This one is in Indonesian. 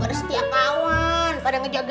pada setia kawan pada ngejagain gue